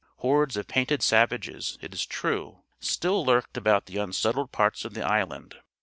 Hordes of painted savages, it is true, still lurked about the unsettled parts of the island.